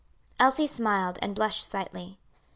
Elsie smiled, and blushed slightly.